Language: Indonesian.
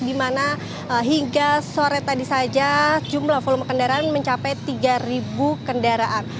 di mana hingga sore tadi saja jumlah volume kendaraan mencapai tiga kendaraan